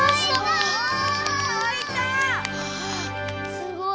すごい！